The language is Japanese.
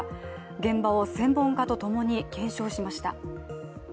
現場を専門家とともに検証しました。